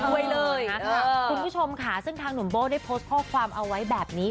คุณผู้ชมค่ะซึ่งทางหนุ่มโบ้ได้โพสต์ข้อความเอาไว้แบบนี้